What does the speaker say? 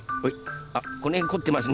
あっこのへんこってますね。